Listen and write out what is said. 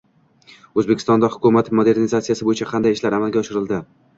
O‘zbekistonda hukumat modernizatsiyasi bo‘yicha qanday ishlar amalga oshirildi?